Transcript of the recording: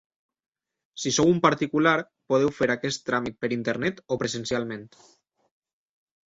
Si sou un particular, podeu fer aquest tràmit per internet o presencialment.